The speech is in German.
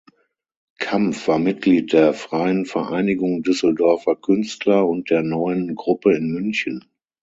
Kampf war Mitglied der Freien Vereinigung Düsseldorfer Künstler und der Neuen Gruppe in München.